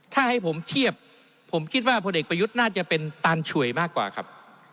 ถ้าให้ผมเทียบผมคิดว่าพลเอกประยุทธ์น่าจะเป็นตานฉวยมากกว่าครับ